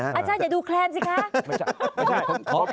อาจารย์อย่าดูแคลนสิคะ